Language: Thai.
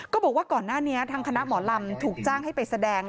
ก็บอกว่าก่อนหน้านี้ทางคณะหมอลำถูกจ้างให้ไปแสดง